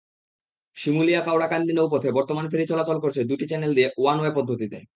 শিমুলিয়া-কাওড়াকান্দি নৌপথে বর্তমানে ফেরি চলাচল করছে দুটি চ্যানেল দিয়ে ওয়ান ওয়ে পদ্ধতিতে।